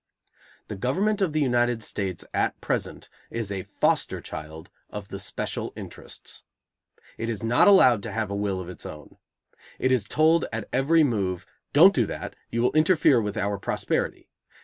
The government of the United States at present is a foster child of the special interests. It is not allowed to have a will of its own. It is told at every move: "Don't do that; you will interfere with our prosperity."